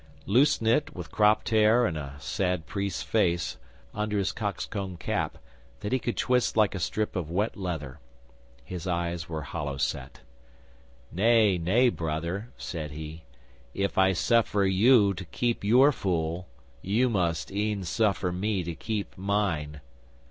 Loose knit, with cropped hair, and a sad priest's face, under his cockscomb cap, that he could twist like a strip of wet leather. His eyes were hollow set. '"Nay, nay, Brother," said he. "If I suffer you to keep your fool, you must e'en suffer me to keep mine."